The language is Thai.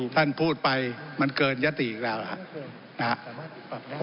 ท่านพูดไปมันเกินยติอีกแล้วนะครับ